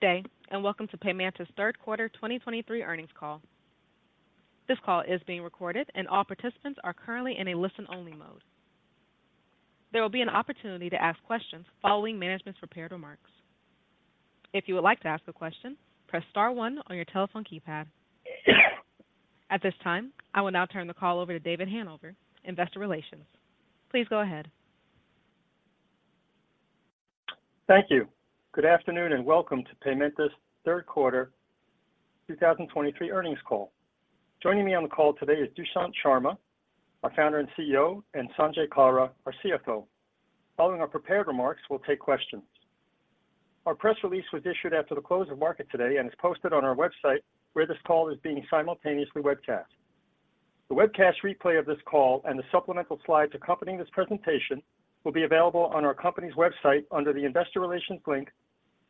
Good day, and welcome to Paymentus's Q3 2023 earnings call. This call is being recorded, and all participants are currently in a listen-only mode. There will be an opportunity to ask questions following management's prepared remarks. If you would like to ask a question, press star one on your telephone keypad. At this time, I will now turn the call over to David Hanover, Investor Relations. Please go ahead. Thank you. Good afternoon, and welcome to Paymentus's Q3 2023 earnings call. Joining me on the call today is Dushyant Sharma, our founder and CEO, and Sanjay Kalra, our CFO. Following our prepared remarks, we'll take questions. Our press release was issued after the close of market today and is posted on our website, where this call is being simultaneously webcast. The webcast replay of this call and the supplemental slides accompanying this presentation will be available on our company's website under the Investor Relations link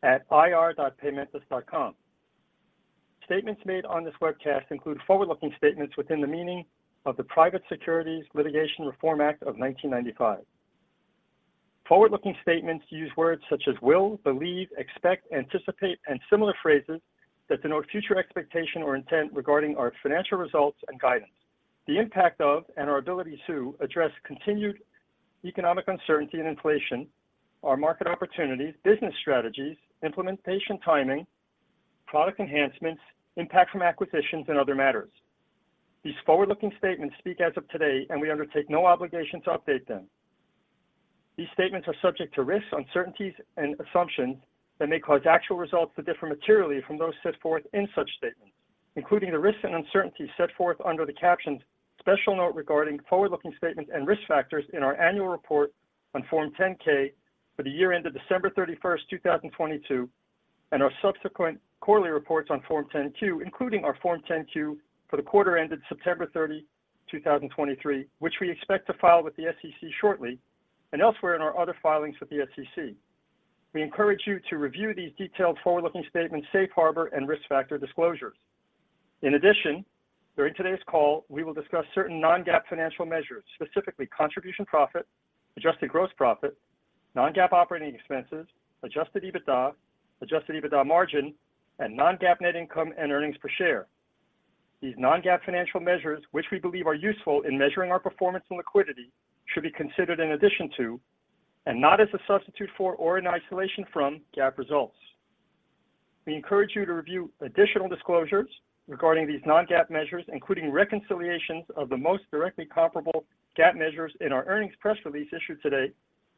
at ir.paymentus.com. Statements made on this webcast include forward-looking statements within the meaning of the Private Securities Litigation Reform Act of 1995. Forward-looking statements use words such as will, believe, expect, anticipate, and similar phrases that denote future expectation or intent regarding our financial results and guidance, the impact of and our ability to address continued economic uncertainty and inflation, our market opportunities, business strategies, implementation timing, product enhancements, impact from acquisitions, and other matters. These forward-looking statements speak as of today, and we undertake no obligation to update them. These statements are subject to risks, uncertainties, and assumptions that may cause actual results to differ materially from those set forth in such statements, including the risks and uncertainties set forth under the captions "Special Note Regarding Forward-Looking Statements and Risk Factors" in our annual report on Form 10-K for the year ended December 31st, 2022, and our subsequent quarterly reports on Form 10-Q, including our Form 10-Q for the quarter ended September 30th, 2023, which we expect to file with the SEC shortly, and elsewhere in our other filings with the SEC. We encourage you to review these detailed forward-looking statement, safe harbor, and risk factor disclosures. In addition, during today's call, we will discuss certain non-GAAP financial measures, specifically contribution profit, adjusted gross profit, non-GAAP operating expenses, adjusted EBITDA, adjusted EBITDA margin, and non-GAAP net income and earnings per share. These non-GAAP financial measures, which we believe are useful in measuring our performance and liquidity, should be considered in addition to, and not as a substitute for or in isolation from, GAAP results. We encourage you to review additional disclosures regarding these non-GAAP measures, including reconciliations of the most directly comparable GAAP measures in our earnings press release issued today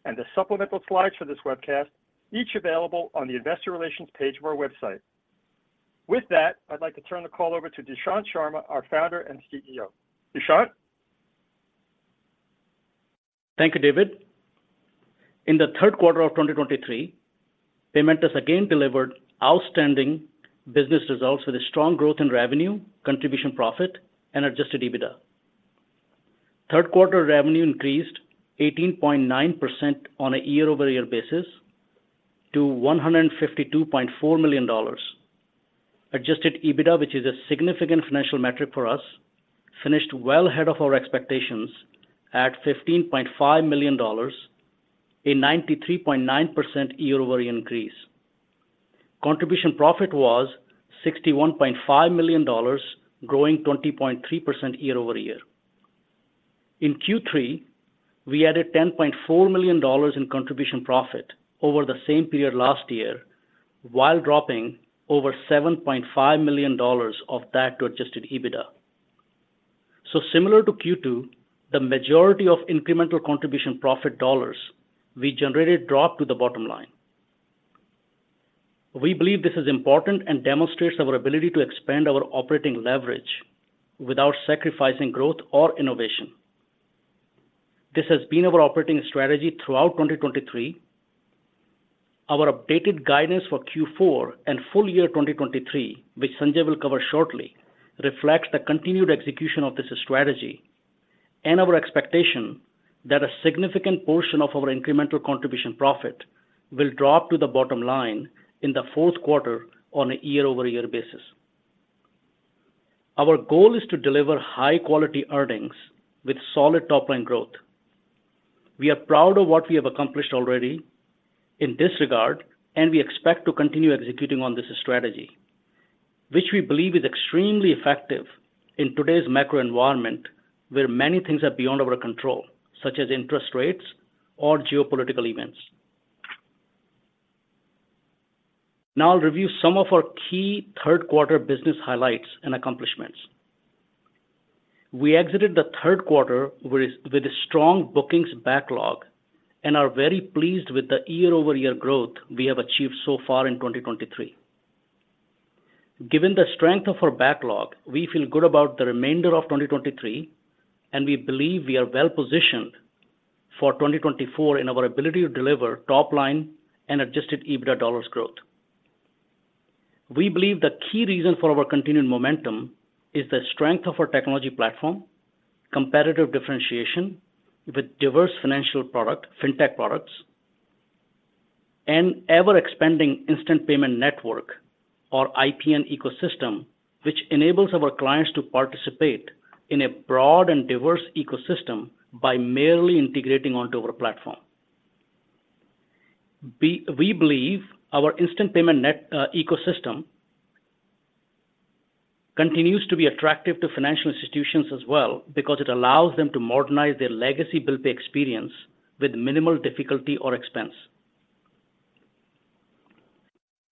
and the supplemental slides for this webcast, each available on the Investor Relations page of our website. With that, I'd like to turn the call over to Dushyant Sharma, our founder and CEO. Dushyant? Thank you, David. In the Q3 of 2023, Paymentus has again delivered outstanding business results with a strong growth in revenue, Contribution Profit, and Adjusted EBITDA. Q3 revenue increased 18.9% on a year-over-year basis to $152.4 million. Adjusted EBITDA, which is a significant financial metric for us, finished well ahead of our expectations at $15.5 million, a 93.9% year-over-year increase. Contribution Profit was $61.5 million, growing 20.3% year-over-year. In Q3, we added $10.4 million in Contribution Profit over the same period last year, while dropping over $7.5 million of that to Adjusted EBITDA. So similar to Q2, the majority of incremental Contribution Profit dollars we generated dropped to the bottom line. We believe this is important and demonstrates our ability to expand our operating leverage without sacrificing growth or innovation. This has been our operating strategy throughout 2023. Our updated guidance for Q4 and full year 2023, which Sanjay will cover shortly, reflects the continued execution of this strategy and our expectation that a significant portion of our incremental contribution profit will drop to the bottom line in the Q4 on a year-over-year basis. Our goal is to deliver high-quality earnings with solid top-line growth. We are proud of what we have accomplished already in this regard, and we expect to continue executing on this strategy, which we believe is extremely effective in today's macro environment, where many things are beyond our control, such as interest rates or geopolitical events. Now I'll review some of our key Q3 business highlights and accomplishments. We exited the Q3 with a strong bookings backlog and are very pleased with the year-over-year growth we have achieved so far in 2023. Given the strength of our backlog, we feel good about the remainder of 2023, and we believe we are well positioned for 2024 in our ability to deliver top-line and Adjusted EBITDA dollars growth. We believe the key reason for our continued momentum is the strength of our technology platform, competitive differentiation with diverse financial product, fintech products, and ever-expanding Instant Payment Network or IPN ecosystem, which enables our clients to participate in a broad and diverse ecosystem by merely integrating onto our platform. We believe our Instant Payment Network ecosystem continues to be attractive to financial institutions as well, because it allows them to modernize their legacy bill pay experience with minimal difficulty or expense.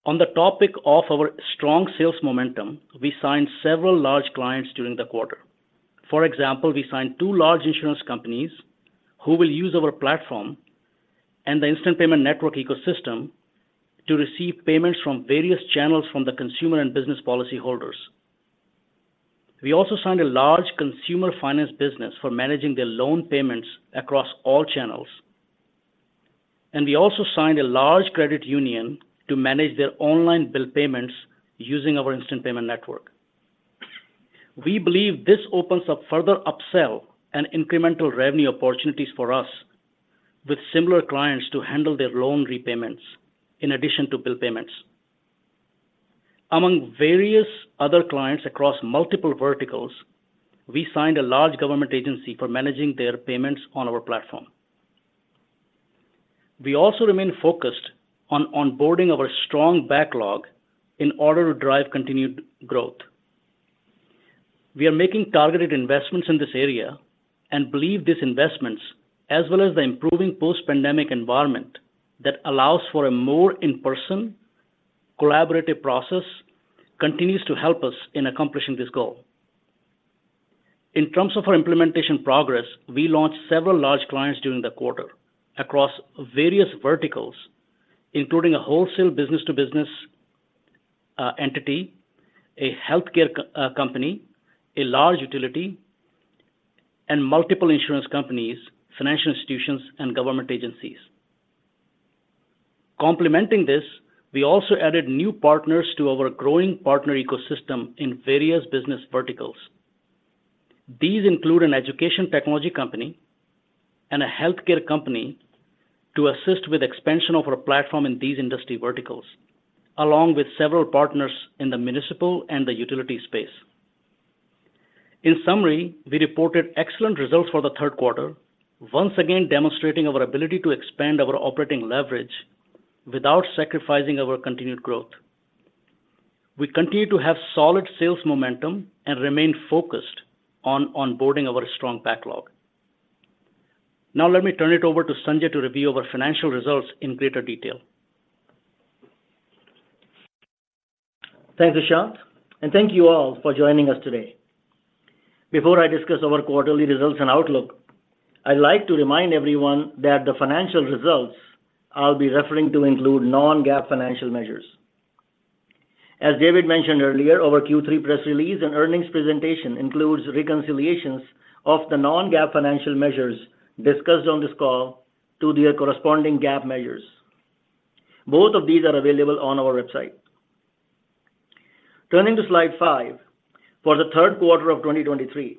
On the topic of our strong sales momentum, we signed several large clients during the quarter. For example, we signed two large insurance companies who will use our platform and the Instant Payment Network ecosystem to receive payments from various channels from the consumer and business policyholders. We also signed a large consumer finance business for managing their loan payments across all channels. We also signed a large credit union to manage their online bill payments using our Instant Payment Network. We believe this opens up further upsell and incremental revenue opportunities for us, with similar clients to handle their loan repayments in addition to bill payments. Among various other clients across multiple verticals, we signed a large government agency for managing their payments on our platform. We also remain focused on onboarding our strong backlog in order to drive continued growth. We are making targeted investments in this area and believe these investments, as well as the improving post-pandemic environment, that allows for a more in-person, collaborative process, continues to help us in accomplishing this goal. In terms of our implementation progress, we launched several large clients during the quarter across various verticals, including a wholesale business-to-business entity, a healthcare company, a large utility, and multiple insurance companies, financial institutions, and government agencies. Complementing this, we also added new partners to our growing partner ecosystem in various business verticals. These include an education technology company and a healthcare company to assist with expansion of our platform in these industry verticals, along with several partners in the municipal and the utility space. In summary, we reported excellent results for the Q3, once again demonstrating our ability to expand our operating leverage without sacrificing our continued growth. We continue to have solid sales momentum and remain focused on onboarding our strong backlog. Now let me turn it over to Sanjay to review our financial results in greater detail. Thanks, Dushyant, and thank you all for joining us today. Before I discuss our quarterly results and outlook, I'd like to remind everyone that the financial results I'll be referring to include non-GAAP financial measures. As David mentioned earlier, our Q3 press release and earnings presentation includes reconciliations of the non-GAAP financial measures discussed on this call to their corresponding GAAP measures. Both of these are available on our website. Turning to slide 5, for the Q3 of 2023,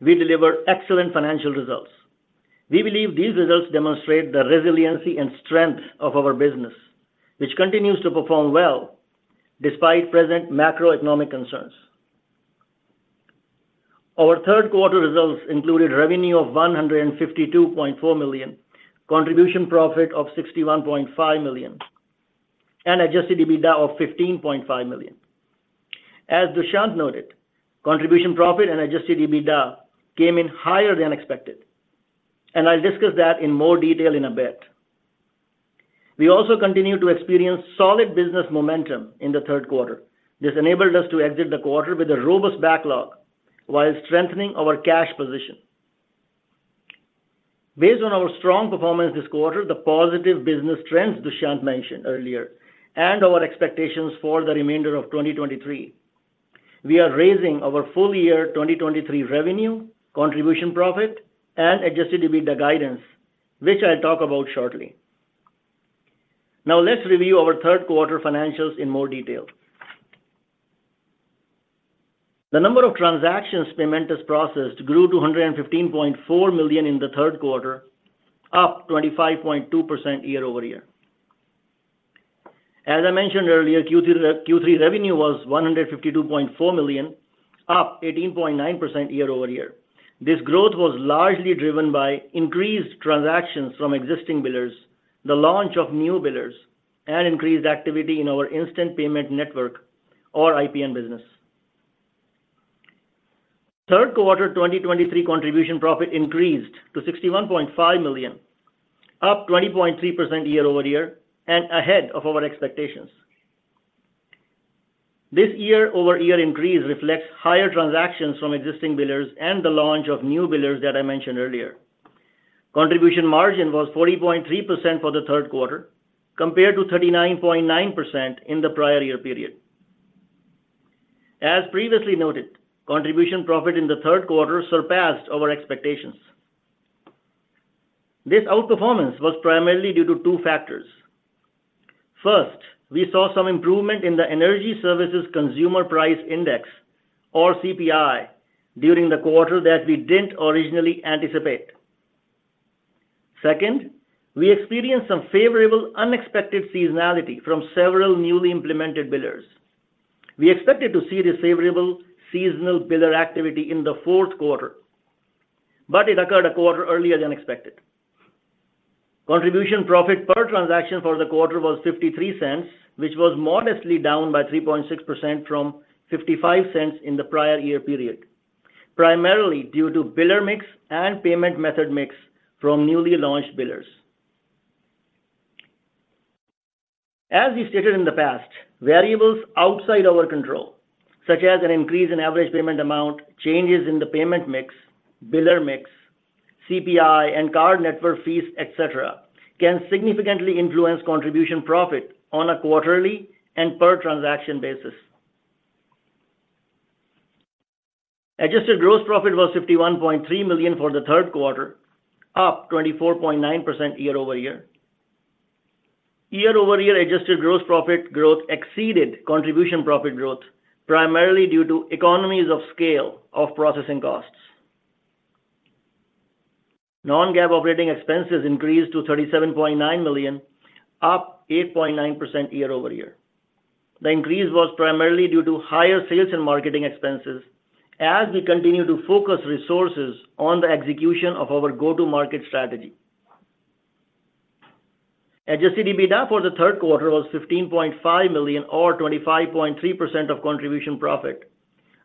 we delivered excellent financial results. We believe these results demonstrate the resiliency and strength of our business, which continues to perform well despite present macroeconomic concerns. Our Q3 results included revenue of $152.4 million, Contribution Profit of $61.5 million, and Adjusted EBITDA of $15.5 million. As Dushyant noted, Contribution Profit and Adjusted EBITDA came in higher than expected, and I'll discuss that in more detail in a bit. We also continued to experience solid business momentum in the Q3. This enabled us to exit the quarter with a robust backlog while strengthening our cash position. Based on our strong performance this quarter, the positive business trends Dushyant mentioned earlier, and our expectations for the remainder of 2023, we are raising our full-year 2023 revenue, Contribution Profit, and Adjusted EBITDA guidance, which I'll talk about shortly. Now let's review our Q3 financials in more detail. The number of transactions Paymentus processed grew to 115.4 million in the Q3, up 25.2% year-over-year. As I mentioned earlier, Q3 revenue was $152.4 million, up 18.9% year-over-year. This growth was largely driven by increased transactions from existing billers, the launch of new billers, and increased activity in our instant payment network or IPN business. Q3 2023 contribution profit increased to $61.5 million, up 20.3% year-over-year and ahead of our expectations. This year-over-year increase reflects higher transactions from existing billers and the launch of new billers that I mentioned earlier. Contribution margin was 40.3% for the Q3, compared to 39.9% in the prior year period. As previously noted, contribution profit in the Q3 surpassed our expectations. This outperformance was primarily due to two factors. First, we saw some improvement in the Energy Services Consumer Price Index, or CPI, during the quarter that we didn't originally anticipate. Second, we experienced some favorable, unexpected seasonality from several newly implemented billers. We expected to see this favorable seasonal biller activity in the Q4, but it occurred a quarter earlier than expected. Contribution profit per transaction for the quarter was $0.53, which was modestly down by 3.6% from $0.55 in the prior year period, primarily due to biller mix and payment method mix from newly launched billers. As we stated in the past, variables outside our control, such as an increase in average payment amount, changes in the payment mix, biller mix, CPI, and card network fees, et cetera, can significantly influence contribution profit on a quarterly and per transaction basis. Adjusted gross profit was $51.3 million for the Q3, up 24.9% year-over-year. Year-over-year, adjusted gross profit growth exceeded contribution profit growth, primarily due to economies of scale of processing costs. Non-GAAP operating expenses increased to $37.9 million, up 8.9% year-over-year. The increase was primarily due to higher sales and marketing expenses as we continue to focus resources on the execution of our go-to-market strategy. Adjusted EBITDA for the Q3 was $15.5 million or 25.3% of contribution profit,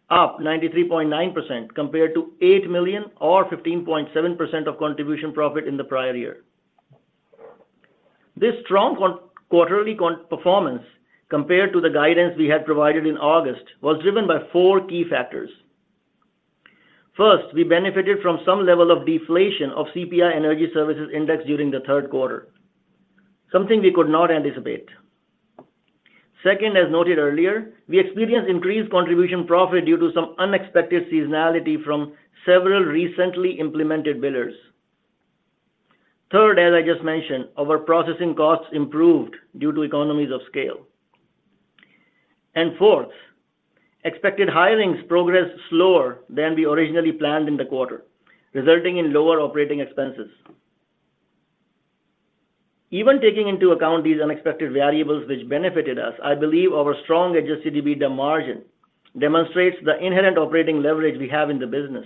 up 93.9% compared to $8 million or 15.7% of contribution profit in the prior year. This strong quarterly performance, compared to the guidance we had provided in August, was driven by four key factors. First, we benefited from some level of deflation of CPI energy services index during the Q3, something we could not anticipate. Second, as noted earlier, we experienced increased Contribution Profit due to some unexpected seasonality from several recently implemented billers. Third, as I just mentioned, our processing costs improved due to economies of scale. And fourth, expected hirings progressed slower than we originally planned in the quarter, resulting in lower operating expenses. Even taking into account these unexpected variables, which benefited us, I believe our strong Adjusted EBITDA margin demonstrates the inherent operating leverage we have in the business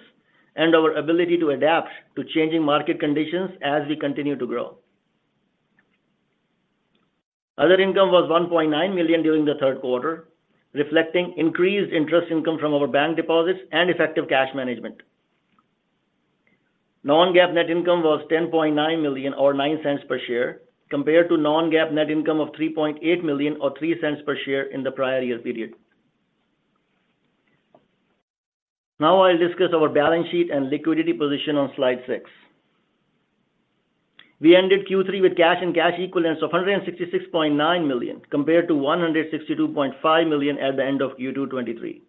and our ability to adapt to changing market conditions as we continue to grow. Other income was $1.9 million during the Q3, reflecting increased interest income from our bank deposits and effective cash management. Non-GAAP net income was $10.9 million, or $0.09 per share, compared to non-GAAP net income of $3.8 million, or $0.03 per share in the prior year period. Now I'll discuss our balance sheet and liquidity position on slide six. We ended Q3 with cash and cash equivalents of $166.9 million, compared to $162.5 million at the end of Q2 2023.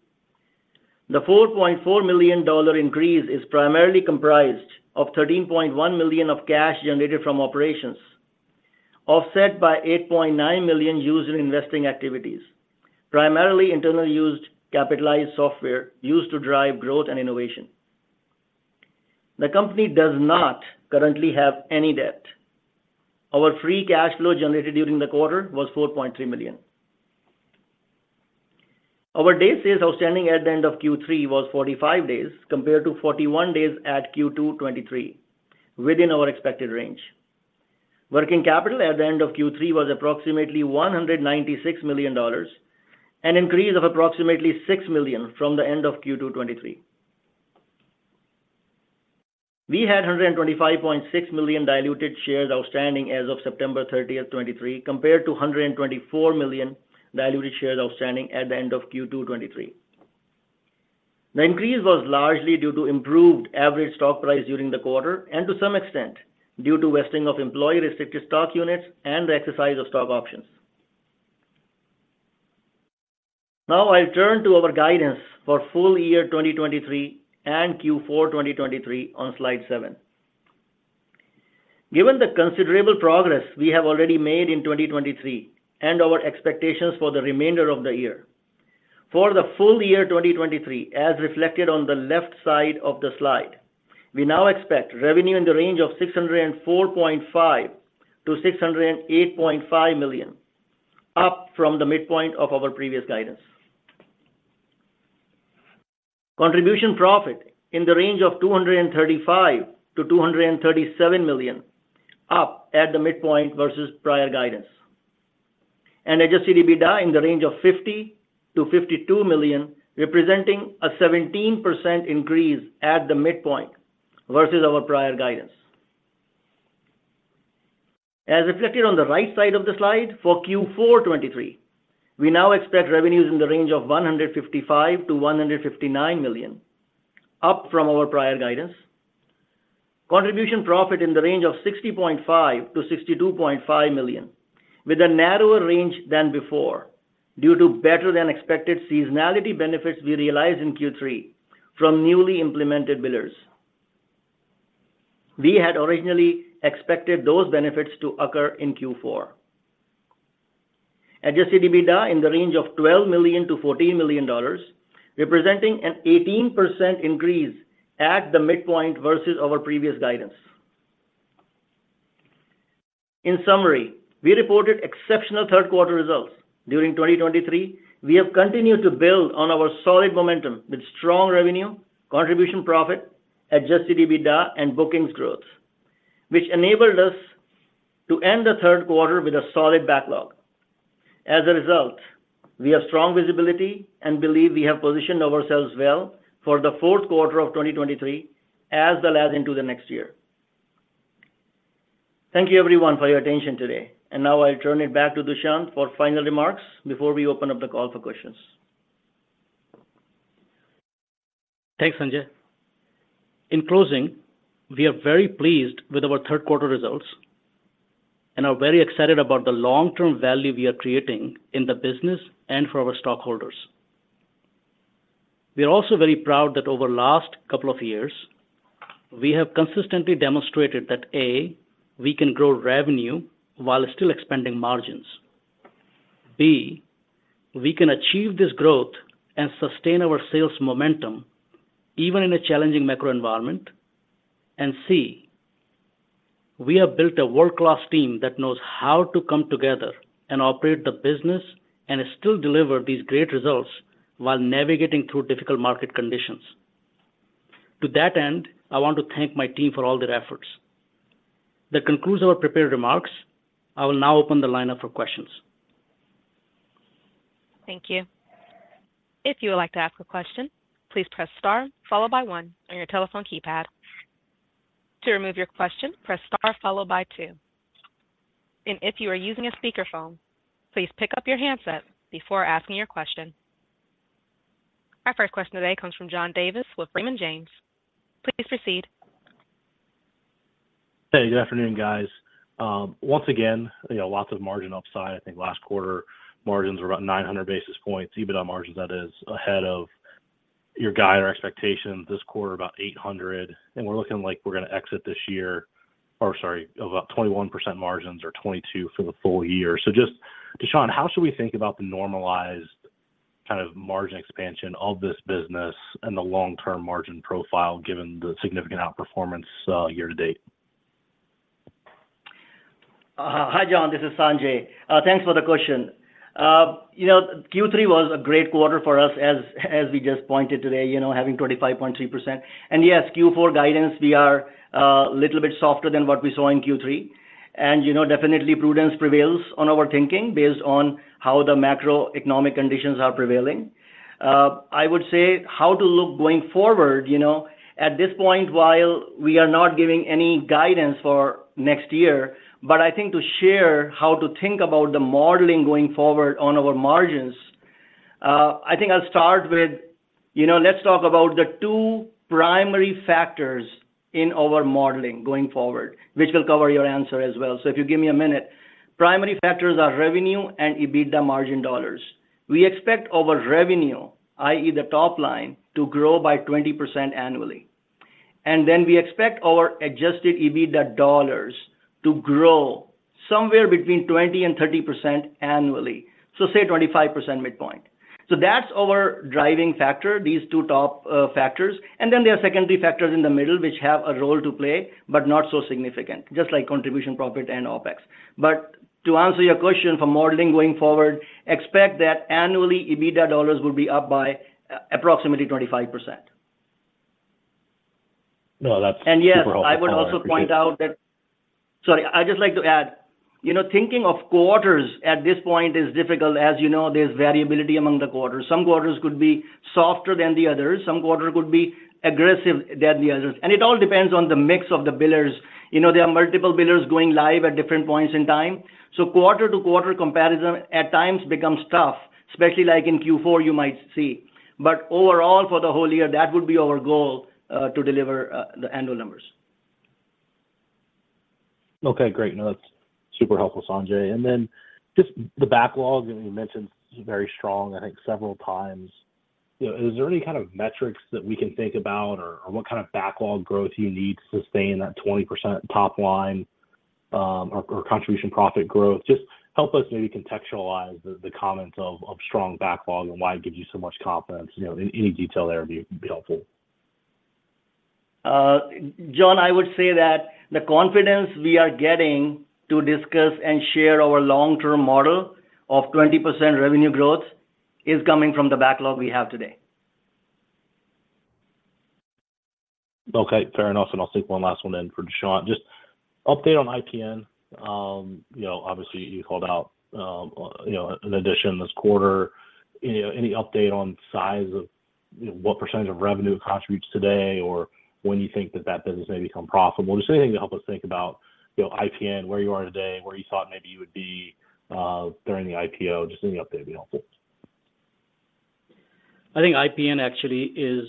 The $4.4 million increase is primarily comprised of $13.1 million of cash generated from operations, offset by $8.9 million used in investing activities, primarily internally used capitalized software used to drive growth and innovation. The company does not currently have any debt. Our free cash flow generated during the quarter was $4.3 million. Our days sales outstanding at the end of Q3 was 45 days, compared to 41 days at Q2 2023, within our expected range. Working capital at the end of Q3 was approximately $196 million, an increase of approximately $6 million from the end of Q2 2023. We had 125.6 million diluted shares outstanding as of September 30th, 2023, compared to 124 million diluted shares outstanding at the end of Q2 2023. The increase was largely due to improved average stock price during the quarter, and to some extent, due to vesting of employee restricted stock units and the exercise of stock options. Now I'll turn to our guidance for full year 2023 and Q4 2023 on slide seven. Given the considerable progress we have already made in 2023 and our expectations for the remainder of the year, for the full year 2023, as reflected on the left side of the slide, we now expect revenue in the range of $604.5 million to 608.5 million, up from the midpoint of our previous guidance. Contribution Profit in the range of $235 million to 237 million, up at the midpoint versus prior guidance. Adjusted EBITDA in the range of $50 million to 52 million, representing a 17% increase at the midpoint versus our prior guidance. As reflected on the right side of the slide, for Q4 2023, we now expect revenues in the range of $155 million to 159 million, up from our prior guidance. Contribution profit in the range of $60.5 million to 62.5 million, with a narrower range than before, due to better than expected seasonality benefits we realized in Q3 from newly implemented billers. We had originally expected those benefits to occur in Q4. Adjusted EBITDA in the range of $12 million to 14 million, representing an 18% increase at the midpoint versus our previous guidance. In summary, we reported exceptional Q3 results during 2023. We have continued to build on our solid momentum with strong revenue, contribution profit, Adjusted EBITDA, and bookings growth, which enabled us to end the Q3 with a solid backlog. As a result, we have strong visibility and believe we have positioned ourselves well for the Q4 of 2023, as well as into the next year. Thank you, everyone, for your attention today. Now I turn it back to Dushyant for final remarks before we open up the call for questions. Thanks, Sanjay. In closing, we are very pleased with our Q3 results and are very excited about the long-term value we are creating in the business and for our stockholders. We are also very proud that over the last couple of years, we have consistently demonstrated that, A, we can grow revenue while still expanding margins, B, we can achieve this growth and sustain our sales momentum even in a challenging macro environment, and C, we have built a world-class team that knows how to come together and operate the business and still deliver these great results while navigating through difficult market conditions. To that end, I want to thank my team for all their efforts. That concludes our prepared remarks. I will now open the line up for questions. Thank you. If you would like to ask a question, please press star followed by one on your telephone keypad. To remove your question, press star followed by two. If you are using a speakerphone, please pick up your handset before asking your question. Our first question today comes from John Davis with Raymond James. Please proceed. Hey, good afternoon, guys. Once again, you know, lots of margin upside. I think last quarter margins were about 900 basis points, EBITDA margins that is, ahead of your guide or expectations. This quarter, about 800, and we're looking like we're going to exit this year, or sorry, about 21% margins or 22% for the full year. So just, Dushyant, how should we think about the normalized kind of margin expansion of this business and the long-term margin profile, given the significant outperformance, year-to-date? Hi, John, this is Sanjay. Thanks for the question. You know, Q3 was a great quarter for us as we just pointed today, you know, having 25.3%. And yes, Q4 guidance, we are a little bit softer than what we saw in Q3. And you know, definitely prudence prevails on our thinking based on how the macroeconomic conditions are prevailing. I would say how to look going forward, you know, at this point, while we are not giving any guidance for next year, but I think to share how to think about the modeling going forward on our margins, I think I'll start with, you know, let's talk about the two primary factors in our modeling going forward, which will cover your answer as well. So if you give me a minute. Primary factors are revenue and EBITDA margin dollars. We expect our revenue, i.e., the top line, to grow by 20% annually, and then we expect our Adjusted EBITDA dollars to grow somewhere between 20% and 30% annually. So say 25% midpoint. So that's our driving factor, these two top, factors. And then there are secondary factors in the middle, which have a role to play, but not so significant, just like Contribution Profit, and OpEx. But to answer your question for modeling going forward, expect that annually, EBITDA dollars will be up by approximately 25%. No, that's super helpful. And yes, I would also point out that. Sorry, I'd just like to add, you know, thinking of quarters at this point is difficult. As you know, there's variability among the quarters. Some quarters could be softer than the others, some quarter could be aggressive than the others. And it all depends on the mix of the billers. You know, there are multiple billers going live at different points in time, so quarter-to-quarter comparison at times becomes tough, especially like in Q4, you might see. But overall, for the whole year, that would be our goal to deliver the annual numbers. Okay, great. No, that's super helpful, Sanjay. And then just the backlog, you mentioned is very strong, I think several times. You know, is there any kind of metrics that we can think about, or, or what kind of backlog growth you need to sustain that 20% top line, or, or contribution profit growth? Just help us maybe contextualize the, the comments of strong backlog and why it gives you so much confidence. You know, any detail there would be, would be helpful. John, I would say that the confidence we are getting to discuss and share our long-term model of 20% revenue growth is coming from the backlog we have today. Okay, fair enough, and I'll take one last one then for Dushyant. Just update on IPN. You know, obviously, you called out, you know, an addition this quarter. You know, any update on size of, you know, what percentage of revenue it contributes today, or when you think that that business may become profitable? Just anything to help us think about, you know, IPN, where you are today, where you thought maybe you would be, during the IPO. Just any update would be helpful. I think IPN actually is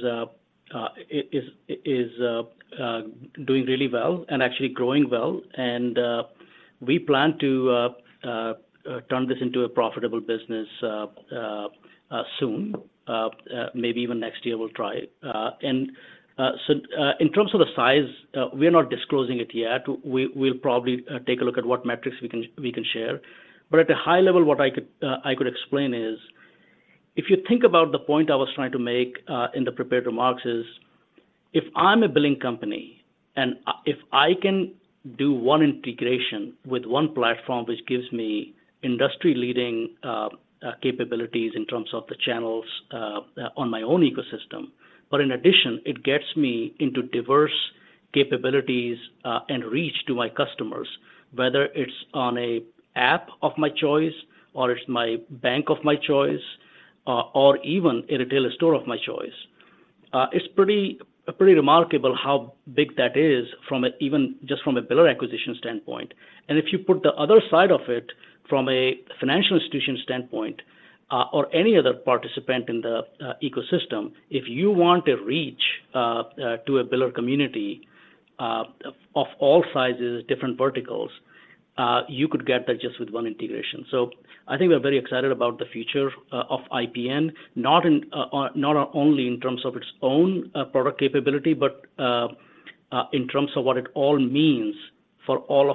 doing really well and actually growing well, and we plan to turn this into a profitable business soon. Maybe even next year we'll try it. And so, in terms of the size, we are not disclosing it yet. We'll probably take a look at what metrics we can share. But at a high level, what I could, I could explain is, if you think about the point I was trying to make, in the prepared remarks, is if I'm a billing company and I, if I can do one integration with one platform, which gives me industry-leading, capabilities in terms of the channels, on my own ecosystem, but in addition, it gets me into diverse capabilities, and reach to my customers, whether it's on a app of my choice or it's my bank of my choice, or even a retailer store of my choice, it's pretty- pretty remarkable how big that is from a, even just from a biller acquisition standpoint. And if you put the other side of it, from a financial institution standpoint, or any other participant in the ecosystem, if you want a reach to a biller community of all sizes, different verticals, you could get that just with one integration. So I think we're very excited about the future of IPN. Not only in terms of its own product capability, but in terms of what it all means for all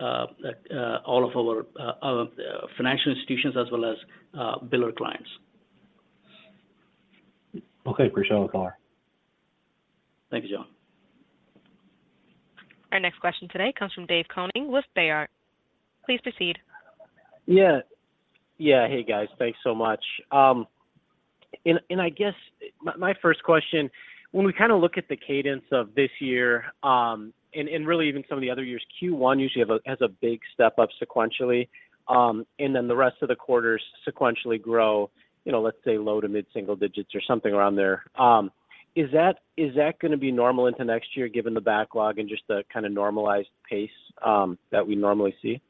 of our financial institutions as well as biller clients. Okay, appreciate it, Dushyant. Thank you, John. Our next question today comes from Dave Koning with Baird. Please proceed. Yeah. Yeah, hey, guys. Thanks so much. And I guess my first question, when we kinda look at the cadence of this year, and really even some of the other years, Q1 usually has a big step up sequentially, and then the rest of the quarters sequentially grow, you know, let's say low to mid single digits or something around there. Is that gonna be normal into next year, given the backlog and just the kinda normalized pace that we normally see?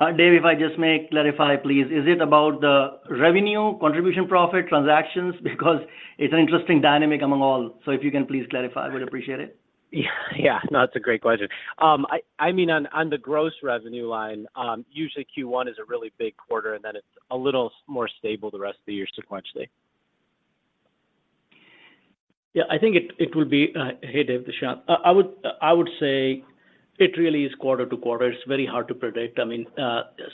Dave, if I just may clarify, please. Is it about the revenue, contribution, profit, transactions? Because it's an interesting dynamic among all. If you can please clarify, I would appreciate it. Yeah. Yeah, no, it's a great question. I mean, on the gross revenue line, usually Q1 is a really big quarter, and then it's a little more stable the rest of the year sequentially. Yeah, I think it will be. Hey, Dave, Dushyant. I would say it really is quarter to quarter. It's very hard to predict. I mean,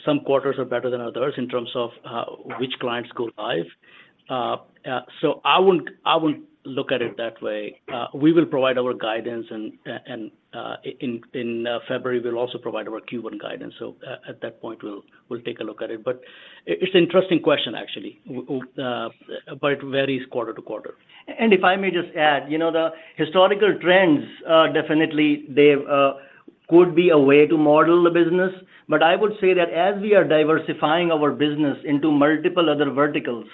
some quarters are better than others in terms of which clients go live. So I wouldn't look at it that way. We will provide our guidance and in February, we'll also provide our Q1 guidance. So at that point, we'll take a look at it. But it's an interesting question, actually, but it varies quarter to quarter. If I may just add, you know, the historical trends definitely, Dave, could be a way to model the business. But I would say that as we are diversifying our business into multiple other verticals,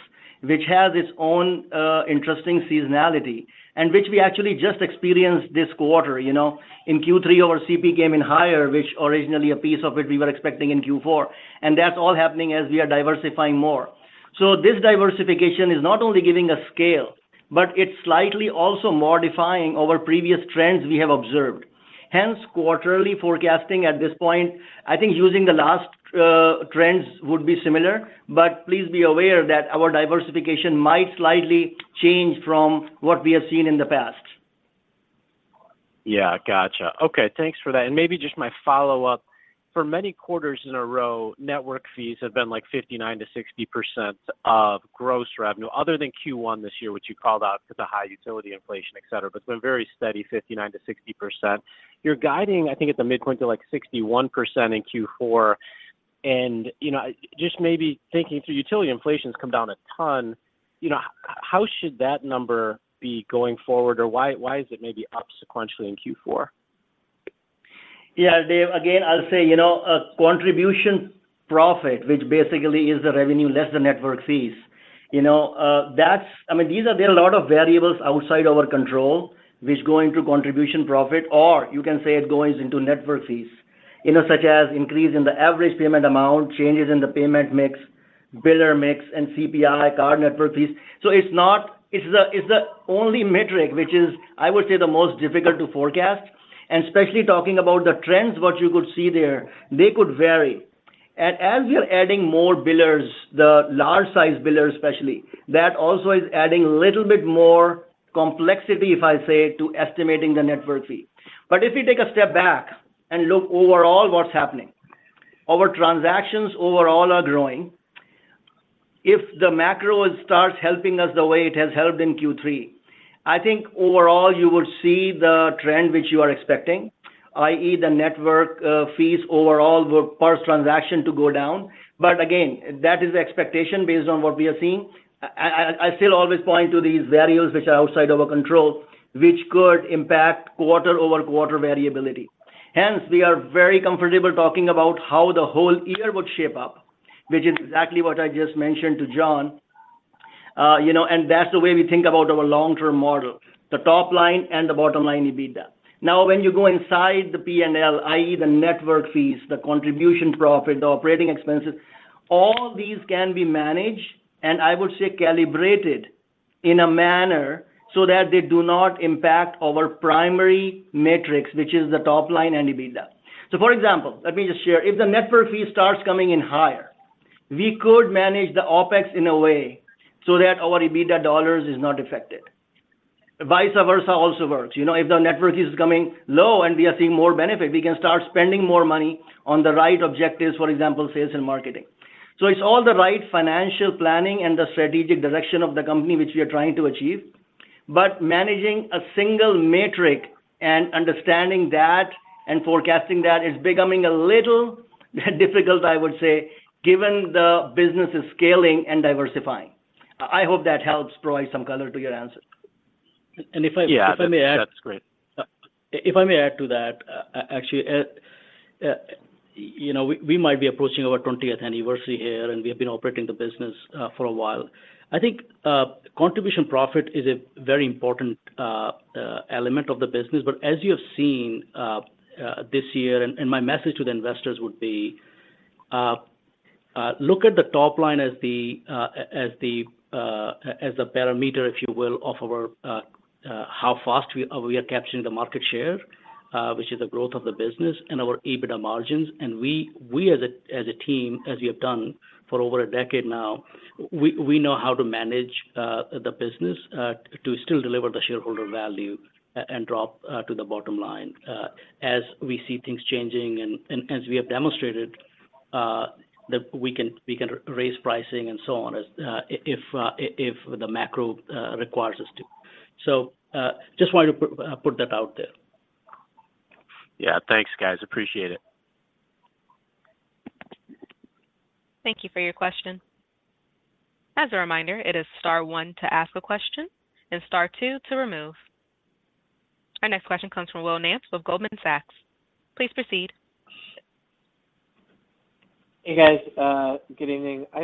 which has its own interesting seasonality, and which we actually just experienced this quarter, you know. In Q3, our CP came in higher, which originally a piece of it we were expecting in Q4, and that's all happening as we are diversifying more. So this diversification is not only giving us scale, but it's slightly also modifying our previous trends we have observed, hence quarterly forecasting at this point. I think using the last trends would be similar, but please be aware that our diversification might slightly change from what we have seen in the past. Yeah. Gotcha. Okay, thanks for that. And maybe just my follow-up. For many quarters in a row, network fees have been, like, 59% to 60% of gross revenue, other than Q1 this year, which you called out because of high utility inflation, et cetera, but it's been very steady, 59% to 60%. You're guiding, I think, at the midpoint to, like, 61% in Q4. And, you know, just maybe thinking through, utility inflation's come down a ton, you know, how should that number be going forward? Or why, why is it maybe up sequentially in Q4? Yeah, Dave, again, I'll say, you know, Contribution Profit, which basically is the revenue less the network fees, you know, that's. I mean, there are a lot of variables outside our control, which go into Contribution Profit, or you can say it goes into network fees, you know, such as increase in the average payment amount, changes in the payment mix, biller mix, and CPI, card network fees. So it's the only metric which is, I would say, the most difficult to forecast, and especially talking about the trends, what you could see there, they could vary. And as we are adding more billers, the large-sized billers especially, that also is adding a little bit more complexity, if I say, to estimating the network fee. But if you take a step back and look overall what's happening, our transactions overall are growing. If the macro starts helping us the way it has helped in Q3, I think overall you will see the trend which you are expecting, i.e., the network fees overall per transaction to go down. But again, that is the expectation based on what we are seeing. I still always point to these variables which are outside of our control, which could impact quarter-over-quarter variability. Hence, we are very comfortable talking about how the whole year would shape up, which is exactly what I just mentioned to John. You know, and that's the way we think about our long-term model, the top line and the bottom line EBITDA. Now, when you go inside the P&L, i.e., the network fees, the contribution profit, the operating expenses, all these can be managed, and I would say calibrated-... In a manner so that they do not impact our primary metrics, which is the top line and EBITDA. So for example, let me just share, if the network fee starts coming in higher, we could manage the OpEx in a way so that our EBITDA dollars is not affected. Vice versa also works. You know, if the network is coming low and we are seeing more benefit, we can start spending more money on the right objectives, for example, sales and marketing. So it's all the right financial planning and the strategic direction of the company, which we are trying to achieve. But managing a single metric and understanding that and forecasting that is becoming a little difficult, I would say, given the business is scaling and diversifying. I hope that helps provide some color to your answer. And if I- Yeah, If I may add? That's great. If I may add to that, actually, you know, we might be approaching our 20th anniversary here, and we have been operating the business for a while. I think, Contribution Profit is a very important element of the business. But as you have seen, this year, and my message to the investors would be, look at the top line as the, as the, as a parameter, if you will, of our, how fast we are capturing the market share, which is the growth of the business and our EBITDA margins. And we as a team, as we have done for over a decade now, we know how to manage the business to still deliver the shareholder value and drop to the bottom line, as we see things changing and as we have demonstrated that we can raise pricing and so on, as if the macro requires us to. So just wanted to put that out there. Yeah. Thanks, guys. Appreciate it. Thank you for your question. As a reminder, it is star one to ask a question and star two to remove. Our next question comes from Will Nance with Goldman Sachs. Please proceed. Hey, guys, good evening. I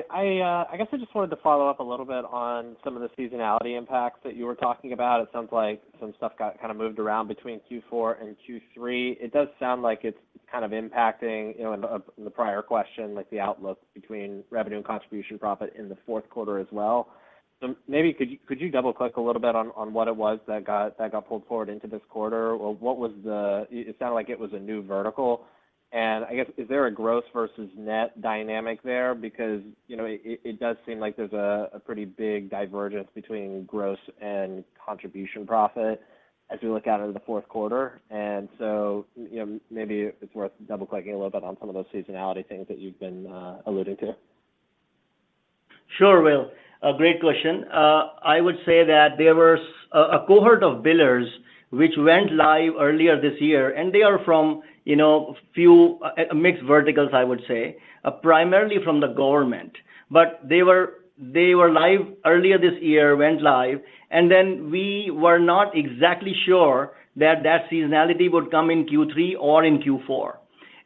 guess I just wanted to follow up a little bit on some of the seasonality impacts that you were talking about. It sounds like some stuff got kind of moved around between Q4 and Q3. It does sound like it's kind of impacting, you know, the prior question, like the outlook between revenue and contribution profit in the Q4 as well. So maybe could you, could you double-click a little bit on, on what it was that got, that got pulled forward into this quarter? Or what was the. It sounded like it was a new vertical. And I guess, is there a gross versus net dynamic there? Because, you know, it, it, it does seem like there's a, a pretty big divergence between gross and contribution profit as we look out into the Q4. So, you know, maybe it's worth double-clicking a little bit on some of those seasonality things that you've been alluding to. Sure, Will. A great question. I would say that there was a cohort of billers which went live earlier this year, and they are from, you know, few mixed verticals, I would say, primarily from the government. But they were, they were live earlier this year, went live, and then we were not exactly sure that that seasonality would come in Q3 or in Q4.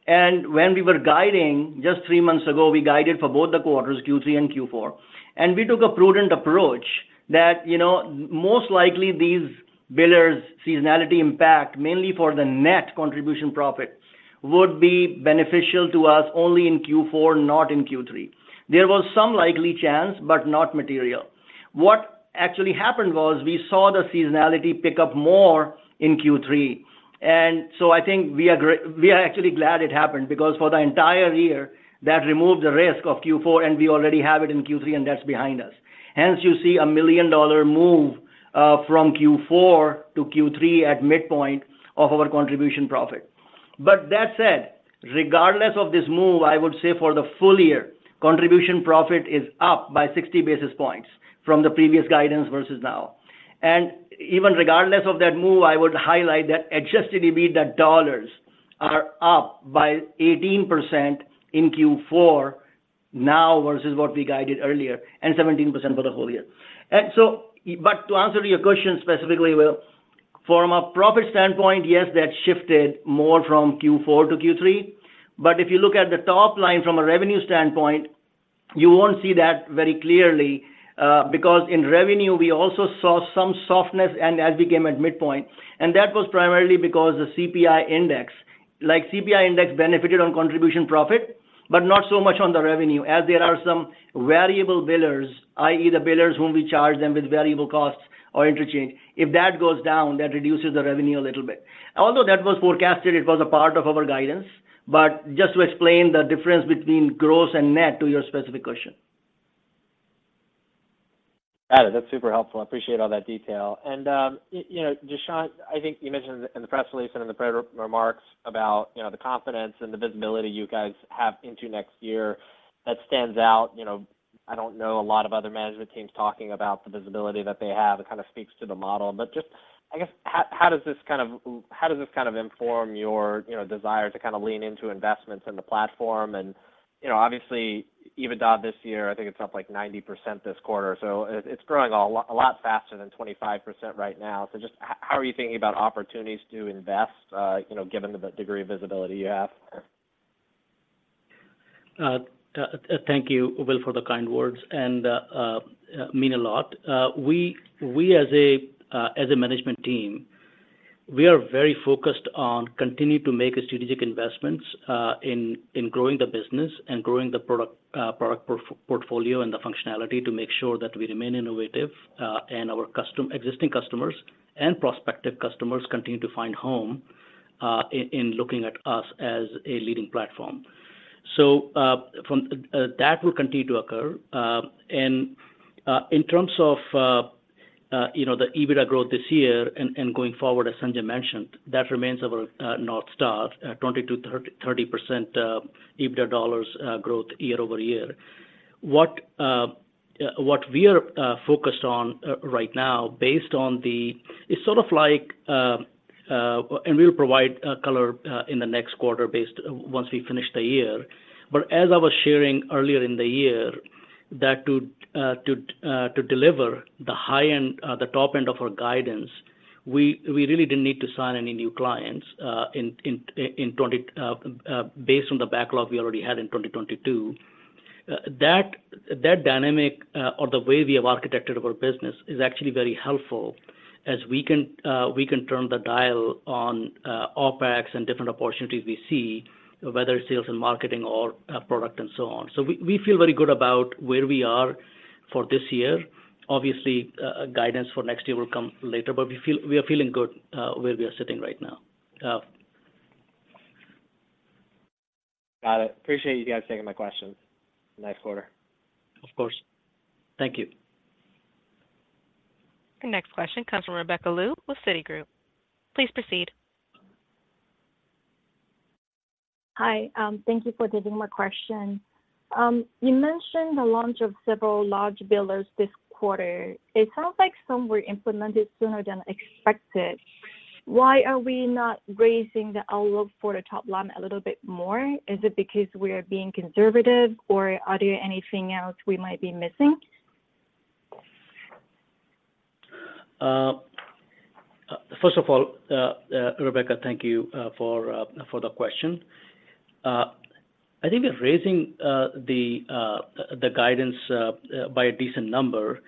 And when we were guiding just three months ago, we guided for both the quarters, Q3 and Q4. And we took a prudent approach that, you know, most likely these billers' seasonality impact, mainly for the net contribution profit, would be beneficial to us only in Q4, not in Q3. There was some likely chance, but not material. What actually happened was we saw the seasonality pick up more in Q3, and so I think we are actually glad it happened because for the entire year, that removed the risk of Q4, and we already have it in Q3, and that's behind us. Hence, you see a $1 million move from Q4 to Q3 at midpoint of our Contribution Profit. But that said, regardless of this move, I would say for the full year, Contribution Profit is up by 60 basis points from the previous guidance versus now. And even regardless of that move, I would highlight that Adjusted EBITDA dollars are up by 18% in Q4 now versus what we guided earlier, and 17% for the whole year. But to answer your question specifically, Will, from a profit standpoint, yes, that shifted more from Q4 to Q3, but if you look at the top line from a revenue standpoint, you won't see that very clearly, because in revenue, we also saw some softness and as we came at midpoint, and that was primarily because the CPI index, like, CPI index benefited on contribution profit, but not so much on the revenue, as there are some variable billers, i.e., the billers whom we charge them with variable costs or interchange. If that goes down, that reduces the revenue a little bit. Although that was forecasted, it was a part of our guidance, but just to explain the difference between gross and net to your specific question. Got it. That's super helpful. I appreciate all that detail. And you know, Sanjay, I think you mentioned in the press release and in the prepared remarks about, you know, the confidence and the visibility you guys have into next year. That stands out. You know, I don't know a lot of other management teams talking about the visibility that they have. It kind of speaks to the model. But just, I guess, how does this kind of inform your, you know, desire to kind of lean into investments in the platform? And, you know, obviously, EBITDA this year, I think it's up, like, 90% this quarter, so it, it's growing a lot faster than 25% right now. Just how are you thinking about opportunities to invest, you know, given the degree of visibility you have? Thank you, Will, for the kind words, and mean a lot. We as a management team. We are very focused on continuing to make strategic investments in growing the business and growing the product, product portfolio and the functionality to make sure that we remain innovative, and our existing customers and prospective customers continue to find home in looking at us as a leading platform. So that will continue to occur. And in terms of you know, the EBITDA growth this year and going forward, as Sanjay mentioned, that remains our North Star, 20%-30% EBITDA dollars growth year-over-year. What we are focused on right now, based on the, It's sort of like and we'll provide color in the next quarter based once we finish the year. But as I was sharing earlier in the year, that to deliver the high end, the top end of our guidance, we really didn't need to sign any new clients in 2023 based on the backlog we already had in 2022. That dynamic or the way we have architected our business is actually very helpful, as we can turn the dial on OpEx and different opportunities we see, whether it's sales and marketing or product, and so on. So we feel very good about where we are for this year. Obviously, guidance for next year will come later, but we are feeling good where we are sitting right now. Got it. Appreciate you guys taking my questions. Nice quarter. Of course. Thank you. Our next question comes from 021626 - Salawu, Adeola - 5. Please proceed. Hi, thank you for taking my question. You mentioned the launch of several large billers this quarter. It sounds like some were implemented sooner than expected. Why are we not raising the outlook for the top line a little bit more? Is it because we are being conservative, or are there anything else we might be missing? First of all, Rebecca, thank you for the question. I think we're raising the guidance by a decent number,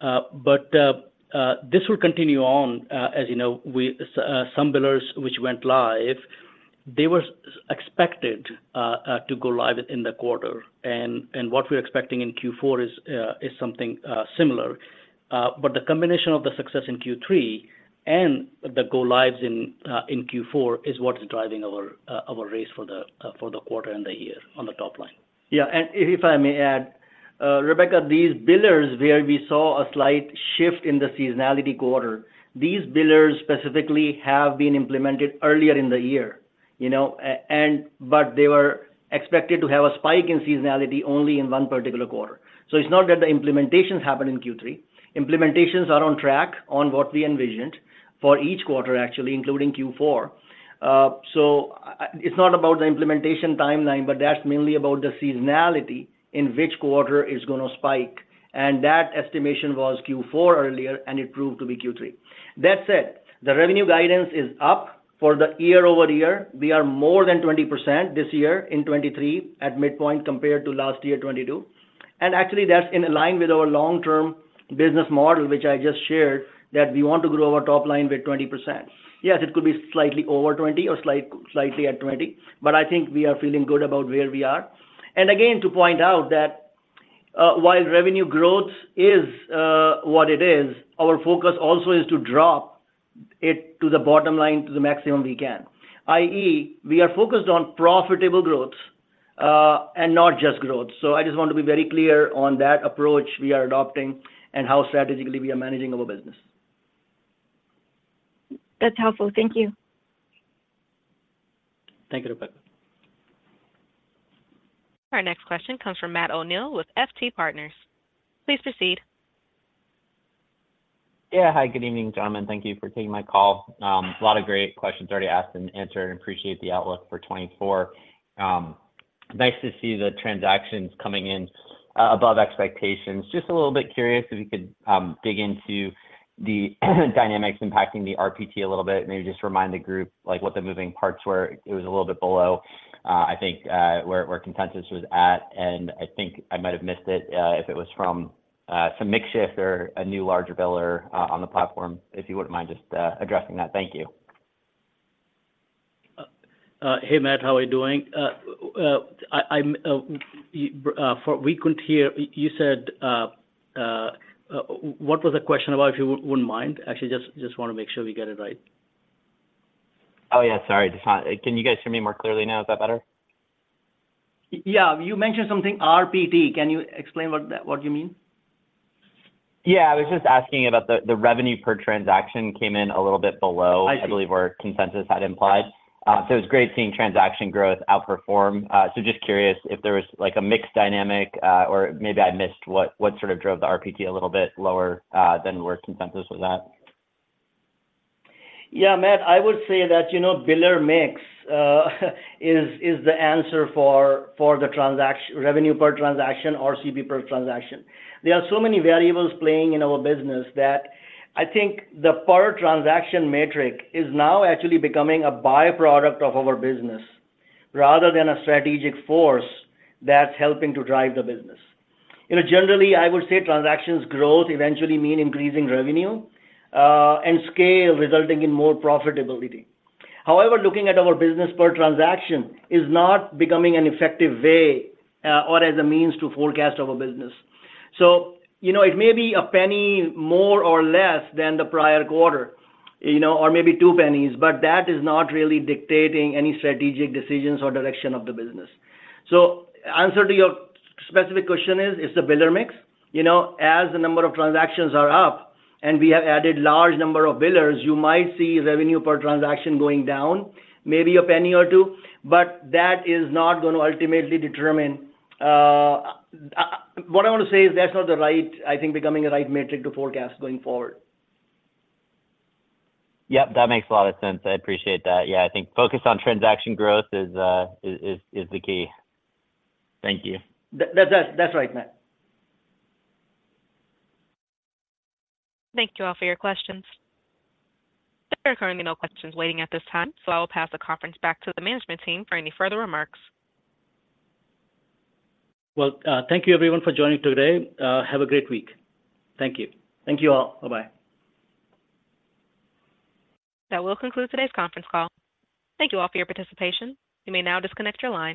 but this will continue on. As you know, some billers which went live, they were expected to go live in the quarter, and what we're expecting in Q4 is something similar. But the combination of the success in Q3 and the go lives in Q4 is what is driving our raise for the quarter and the year on the top line. Yeah, and if I may add, Rebecca, these billers where we saw a slight shift in the seasonality quarter, these billers specifically have been implemented earlier in the year, you know? And but they were expected to have a spike in seasonality only in one particular quarter. So it's not that the implementations happened in Q3. Implementations are on track on what we envisioned for each quarter, actually, including Q4. So, it's not about the implementation timeline, but that's mainly about the seasonality in which quarter is going to spike, and that estimation was Q4 earlier, and it proved to be Q3. That said, the revenue guidance is up for the year-over-year. We are more than 20% this year in 2023 at midpoint compared to last year, 2022. Actually, that's in line with our long-term business model, which I just shared, that we want to grow our top line by 20%. Yes, it could be slightly over 20 or slightly at 20, but I think we are feeling good about where we are. And again, to point out that, while revenue growth is what it is, our focus also is to drop it to the bottom line to the maximum we can, i.e., we are focused on profitable growth, and not just growth. So I just want to be very clear on that approach we are adopting and how strategically we are managing our business. That's helpful. Thank you. Thank you, Rebecca. Our next question comes from Matt O'Neill with FT Partners. Please proceed. Yeah. Hi, good evening, gentlemen. Thank you for taking my call. A lot of great questions already asked and answered, and appreciate the outlook for 2024. Nice to see the transactions coming in above expectations. Just a little bit curious if you could dig into the dynamics impacting the RPT a little bit, and maybe just remind the group, like, what the moving parts were. It was a little bit below, I think, where consensus was at, and I think I might have missed it if it was from some mix shift or a new larger biller on the platform. If you wouldn't mind just addressing that. Thank you. Hey, Matt. How are you doing? We couldn't hear. You said, what was the question about, if you wouldn't mind? Actually, just want to make sure we get it right. Oh, yeah, sorry. Can you guys hear me more clearly now? Is that better? Yeah. You mentioned something RPT. Can you explain what that, what you mean? Yeah, I was just asking about the revenue per transaction came in a little bit below- I see. I believe where consensus had implied. So it was great seeing transaction growth outperform. So just curious if there was, like, a mix dynamic, or maybe I missed what sort of drove the RPT a little bit lower than where consensus was at. Yeah, Matt, I would say that, you know, biller mix is the answer for the transaction revenue per transaction or CP per transaction. There are so many variables playing in our business that I think the per transaction metric is now actually becoming a by-product of our business, rather than a strategic force that's helping to drive the business. You know, generally, I would say transactions growth eventually mean increasing revenue and scale, resulting in more profitability. However, looking at our business per transaction is not becoming an effective way or as a means to forecast our business. So, you know, it may be a penny more or less than the prior quarter, you know, or maybe two pennies, but that is not really dictating any strategic decisions or direction of the business. So answer to your specific question is, it's the biller mix. You know, as the number of transactions are up and we have added large number of billers, you might see revenue per transaction going down, maybe a penny or two, but that is not going to ultimately determine what I want to say is that's not the right, I think, becoming the right metric to forecast going forward. Yep, that makes a lot of sense. I appreciate that. Yeah, I think focus on transaction growth is the key. Thank you. That's right, Matt. Thank you all for your questions. There are currently no questions waiting at this time, so I will pass the conference back to the management team for any further remarks. Well, thank you everyone for joining today. Have a great week. Thank you. Thank you all. Bye-bye. That will conclude today's conference call. Thank you all for your participation. You may now disconnect your lines.